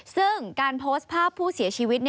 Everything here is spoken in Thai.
ซึ่งการโพสต์ภาพผู้เสียชีวิต